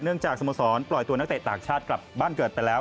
จากสโมสรปล่อยตัวนักเตะต่างชาติกลับบ้านเกิดไปแล้ว